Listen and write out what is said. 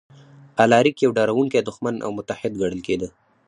الاریک یو ډاروونکی دښمن او متحد ګڼل کېده